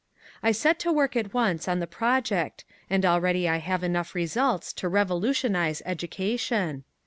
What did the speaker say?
I set to work at once on the project and already I have enough results to revolutionize education.